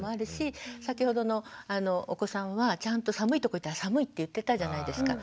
先ほどのお子さんはちゃんと寒いとこ行ったら「寒い」って言ってたじゃないですか。